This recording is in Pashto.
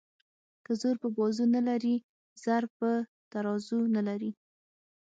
که زور په بازو نه لري زر په ترازو نه لري.